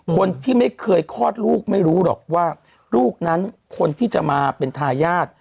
คนที่ไม่เคยคลอดลูกไม่รู้หรอกว่าลูกนั้นคนที่จะมาเป็นทายาท